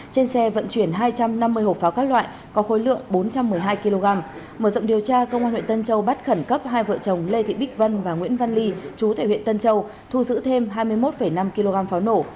trên xe vận chuyển hai trăm năm mươi hộp pháo các loại có khối lượng bốn trăm một mươi hai kg mở rộng điều tra công an huyện tân châu bắt khẩn cấp hai vợ chồng lê thị bích vân và nguyễn văn ly chú tại huyện tân châu thu giữ thêm hai mươi một năm kg pháo nổ